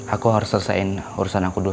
aku harus selesaiin urusan aku dulu